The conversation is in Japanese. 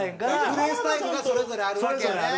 プレースタイルがそれぞれあるわけやね。